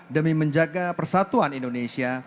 demi menjaga persatuan indonesia